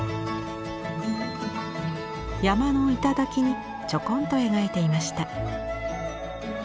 山の頂にちょこんと描いていました。